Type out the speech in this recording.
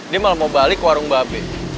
dia malah mau balik warung babe